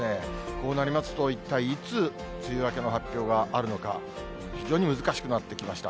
こうなりますと、一体、いつ、梅雨明けの発表があるのか、非常に難しくなってきました。